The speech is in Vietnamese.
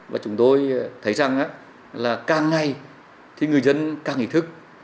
và chúng tôi thấy rằng là càng ngày thì người dân càng ý thức